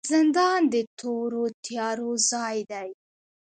زندان د تورو تیارو ځای دی